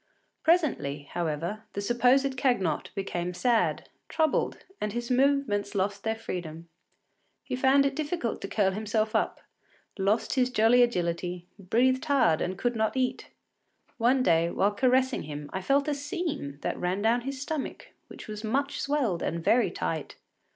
Presently, however, the supposed Cagnotte became sad, troubled, and his movements lost their freedom. He found it difficult to curl himself up, lost his jolly agility, breathed hard and could not eat. One day, while caressing him, I felt a seam that ran down his stomach, which was much swelled and very tight.